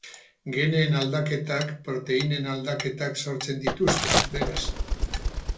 Geneen aldaketak proteinen aldaketak sortzen dituzte, beraz.